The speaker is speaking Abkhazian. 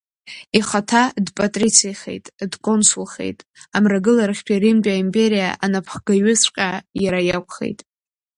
Ихаҭа дпатрицихеит, дконсулхеит, Амрагыларахьтәи Римтәи аимпериа анапхгаҩыҵәҟьа иара иакәхеит.